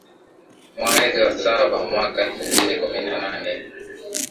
Mwaezi wa saba mwaka elfu mbili kumi na nane